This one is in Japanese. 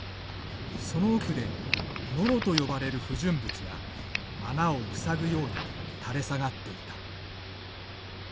その奥でノロと呼ばれる不純物が穴を塞ぐように垂れ下がっていた。